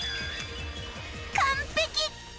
完璧！